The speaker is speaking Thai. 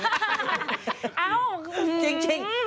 เอ้าจริง